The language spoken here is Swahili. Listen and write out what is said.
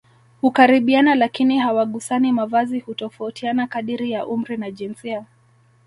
hukaribiana lakini hawagusani Mavazi hutofautiana kadiri ya umri na jinsia